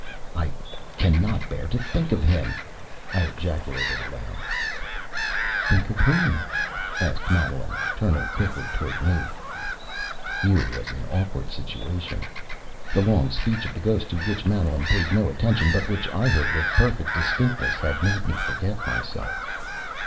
"I cannot bear to think of him!" I ejaculated aloud. "Think of whom?" asked Madeline, turning quickly toward me. Here was an awkward situation. The long speech of the ghost, to which Madeline paid no attention, but which I heard with perfect distinctness, had made me forget myself.